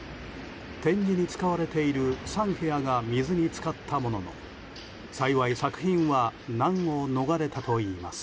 展示に使われている３部屋が水に浸かったものの幸い作品は難を逃れたといいます。